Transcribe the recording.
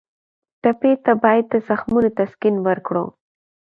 ټپي ته باید د زخمونو تسکین ورکړو.